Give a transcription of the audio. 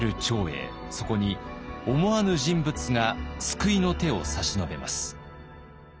そこに思わぬ人物が救いの手を差し伸べます。